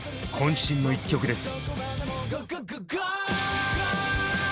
渾身の一曲です。